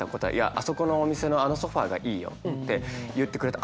「あそこのお店のあのソファーがいいよ」って言ってくれて。